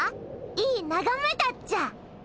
いいながめだっちゃ。